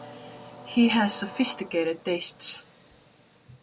He has sophisticated tastes.